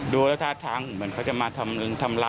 ดูแล้วถ้าทั้งเหมือนเขาจะมาทำร้ายอมัตินะครับ